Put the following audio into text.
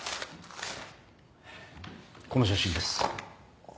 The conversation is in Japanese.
この写真です。